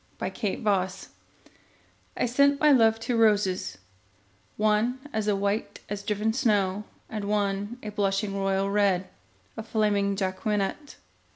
The White Flag I sent my love two roses, one As white as driven snow, And one a blushing royal red, A flaming Jacqueminot.